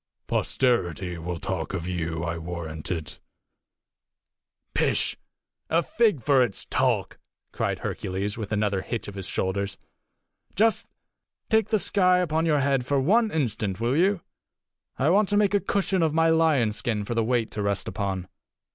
Posterity will talk of you, I warrant it." "Pish! a fig for its talk!" cried Hercules, with another hitch of his shoulders. "Just take the sky upon your head one instant, will you? I want to make a cushion of my lion's skin for the weight to rest upon.